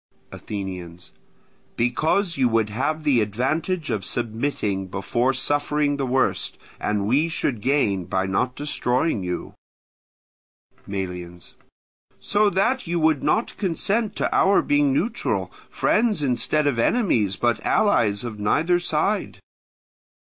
Athenians. Because you would have the advantage of submitting before suffering the worst, and we should gain by not destroying you. Melians. So that you would not consent to our being neutral, friends instead of enemies, but allies of neither side.